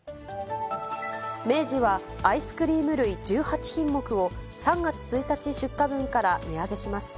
明治は、アイスクリーム類１８品目を、３月１日出荷分から値上げします。